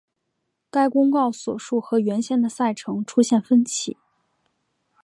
该公告所述和原先的赛程出现分歧。